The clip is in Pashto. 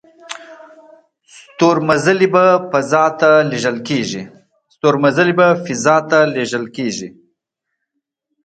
ستورمزلي په فضا ته لیږل کیږي